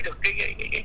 góc rộng có phía quay